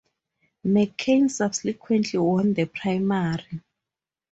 McCain subsequently won the primary.